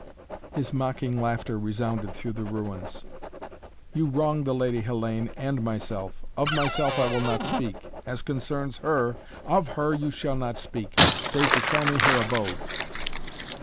His mocking laughter resounded through the ruins. "You wrong the Lady Hellayne and myself. Of myself I will not speak. As concerns her " "Of her you shall not speak! Save to tell me her abode."